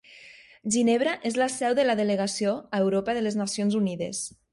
Ginebra és la seu de la delegació a Europa de les Nacions Unides.